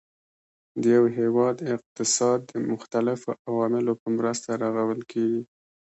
د یو هیواد اقتصاد د مختلفو عواملو په مرسته رغول کیږي.